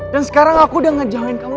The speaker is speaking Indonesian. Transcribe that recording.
dan sekarang aku udah ngejauhin kamu